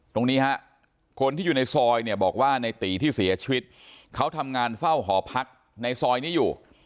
ตรงนี้ฮะคนที่อยู่ในซอยเนี่ยบอกว่าในตีที่เสียชีวิตเขาทำงานเฝ้าหอพักในซอยนี้อยู่